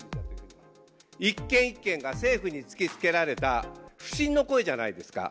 一件一件が政府に突きつけられた不信の声じゃないですか。